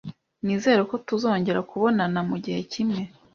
Nizere ko tuzongera kubonana mugihe kimwe